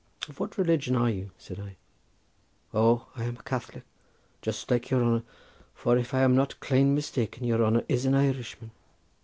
"Of what religion are you?" said I. "O, I'm a Catholic, just like your honour, for if I am not clane mistaken your honour is an Irishman."